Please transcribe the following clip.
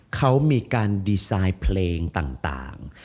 เขามีการดีไซน์เพลงต่าง